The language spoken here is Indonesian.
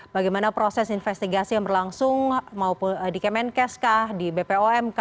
bagaimana proses investigasi yang berlangsung di kemenkes di bpom